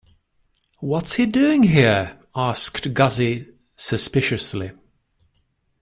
'What's he doing here?' asked Gussie suspiciously.